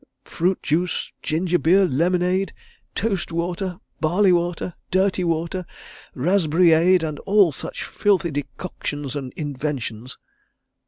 —fruit juice, ginger beer, lemonade, toast water, barley water, dirty water, raspberryade, and all such filthy decoctions and inventions.